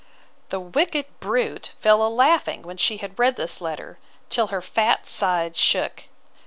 The wicked brute fell a laughing, when she had read this letter, till her fat sides shook.